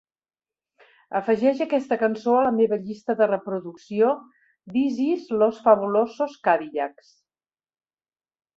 afegeix aquesta cançó a la meva llista de reproducció "this is Los Fabulosos Cadillacs"